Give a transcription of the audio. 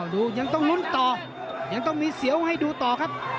ยังต้องลุ้นต่อยังต้องมีเสียวให้ดูต่อครับ